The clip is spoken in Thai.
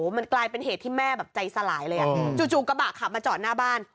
มันกลายเป็นเหตุที่แม่แบบใจสลายเลยจู่กระบะขับมาจอดหน้าบ้าน